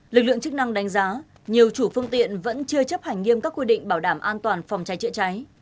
lực lượng chức năng đánh giá nhiều chủ phương tiện vẫn chưa chấp hành nghiêm các quy định bảo đảm an toàn phòng cháy chữa cháy